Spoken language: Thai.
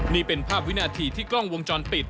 นี่เป็นภาพวินาทีที่กล้องวงจรปิด